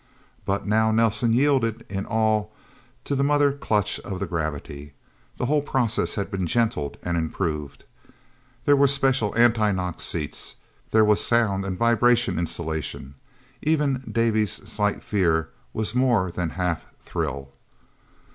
But now Nelsen yielded in all to the mother clutch of the gravity. The whole process had been gentled and improved. There were special anti knock seats. There was sound and vibration insulation. Even Davy's slight fear was more than half thrill.